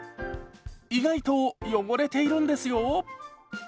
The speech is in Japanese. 意外と汚れているんですよ。